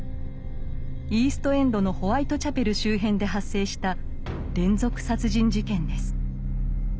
イースト・エンドのホワイト・チャペル周辺で発生した連続殺人事件です。